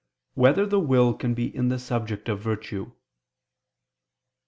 6] Whether the Will Can Be the Subject of Virtue?